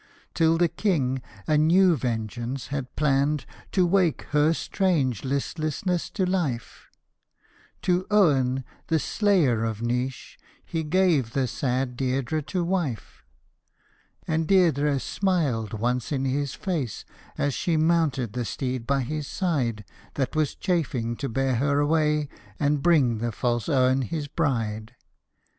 Till the King a new vengeance had planned to wake her strange listlessness to life : 40 FATE OF THE THREE SONS To Eogan, the slayer of Naois, he gave the sad Deirdre to wife. And Deirdre smiled once in his face as she mounted the steed by his side, That was chafing to bear her away and bring the false Eogan his bride.